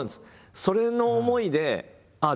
それの思いでああ